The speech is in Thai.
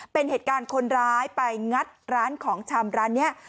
เป็นเหตุการณ์คนร้ายไปงัดร้านของชำร้านนี้